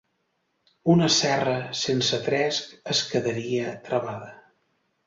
Una serra sense tresc es quedaria travada.